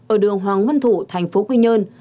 ở đường hoàng nguyên thủ thành phố quy nhơn